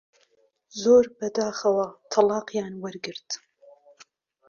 زۆر بەداخەوە تەڵاقیان وەرگرت